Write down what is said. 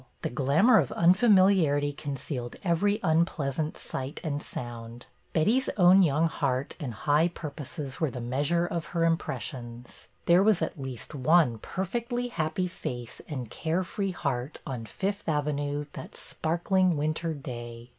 The glamour of unfamiliarity concealed every MISS MINTURNE 277 unpleasant sight and sound. Betty's own young heart and high purposes were the measure of her impressions. There was at least one per fectly happy face and care free heart on Fifth Avenue that sparkling winter day.